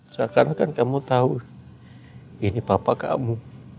seakan akan kamu tahu ini bapak kamu